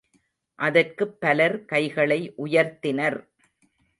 அதற்குப் பலர் கைகளை உயர்த்தினர்.